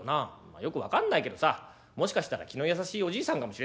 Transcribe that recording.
「まあよく分かんないけどさもしかしたら気の優しいおじいさんかもしれないわよ。